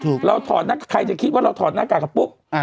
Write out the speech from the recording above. ถูกเราถอดนาฏรบิษฐ์ใครจะคิดว่าเราถอดนาฏกรรมก็ปุ๊บ